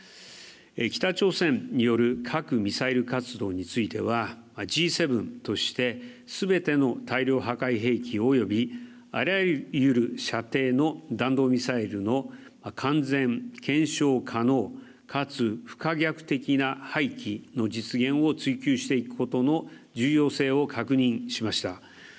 北朝鮮による核ミサイル活動についてはＧ７として、すべての大量破壊兵器及びあらゆる射程の弾道ミサイルの完全検証可能かつ不可逆的な廃棄の実現を追及していくことの重要性を確認しました。